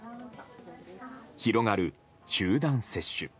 広がる集団接種。